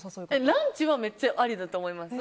ランチはめっちゃありだと思います。